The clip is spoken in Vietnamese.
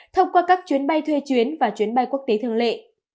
thông qua các chuyến bay thuê chuyến và chuyến bay quốc tế thường lệ